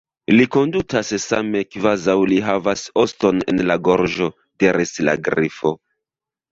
"Li kondutas same kvazaŭ li havas oston en la gorĝo," diris la Grifo.